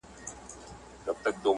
په ډېره عقيده ساتل کېږي